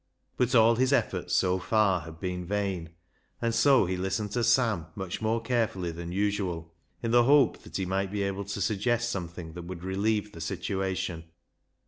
But all his efforts so far had been vain, and so he listened to Sam much more carefully than usual, in the hope that he might be able to suggest something that would relieve the situation.